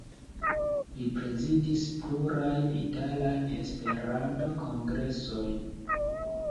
Li prezidis plurajn italajn Esperanto-kongresojn.